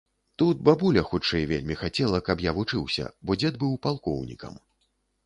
Тут бабуля хутчэй вельмі хацела, каб я вучыўся, бо дзед быў палкоўнікам.